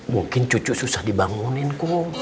mungkin cucu susah dibangunin ko